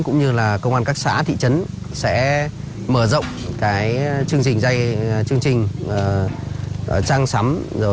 cũng như công an các xã thị trấn sẽ mở rộng chương trình trang sắm